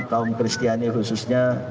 kaum kristiani khususnya